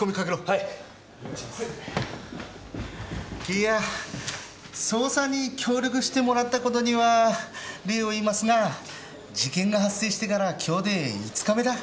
いや捜査に協力してもらったことには礼を言いますが事件が発生してから今日で５日目だ。